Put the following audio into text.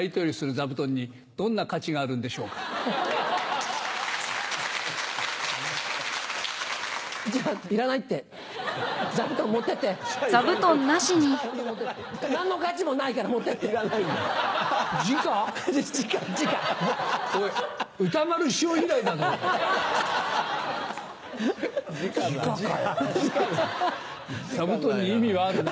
座布団に意味はあるな。